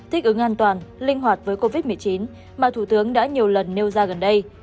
thích ứng an toàn linh hoạt với covid một mươi chín mà thủ tướng đã nhiều lần nêu ra gần đây